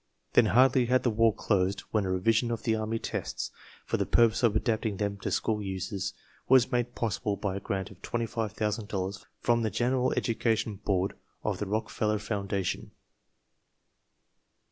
Then hardly had the warjJosod when a revision of the army tests, for the purpose of adapting them to school uses, was made possible by a grant of $25,000 from the General Edu cation Board of the Rockefeller Foundation.